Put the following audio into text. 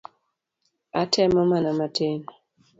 Atemo mana matin.